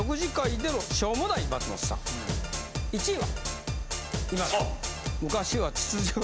１位は？